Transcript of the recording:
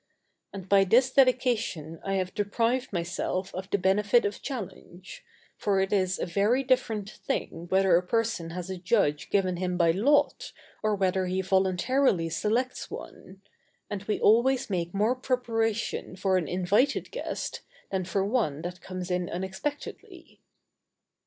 And by this dedication I have deprived myself of the benefit of challenge; for it is a very different thing whether a person has a judge given him by lot, or whether he voluntarily selects one; and we always make more preparation for an invited guest, than for one that comes in unexpectedly.